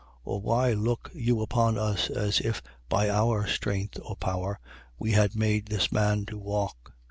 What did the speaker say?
Or why look you upon us, as if by our strength or power we had made this man to walk?